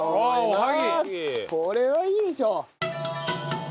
これはいいでしょ！